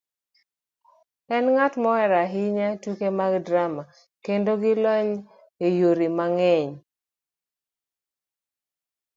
enng'at mohero ahinya tuke mag drama, kendo gi lony e yore mang'eny.